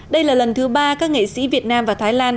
đây là lần thứ ba các nghệ sĩ việt nam và thái lan